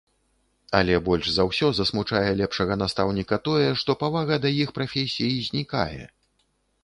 Але больш за ўсё засмучае лепшага настаўніка тое, што павага да іх прафесіі знікае.